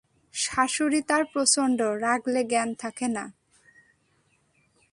শাশুড়ি তার প্রচন্ড, রাগলে জ্ঞান থাকে না।